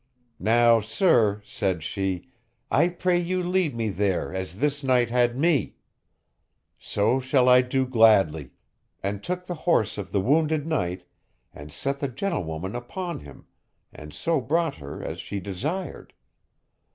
Now sir, said she, I pray you lead me there as this knight had me. So shall I do gladly: and took the horse of the wounded knight, and set the gentlewoman upon him, and so brought her as she desired.